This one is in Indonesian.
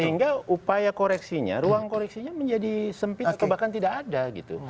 sehingga upaya koreksinya ruang koreksinya menjadi sempit atau bahkan tidak ada gitu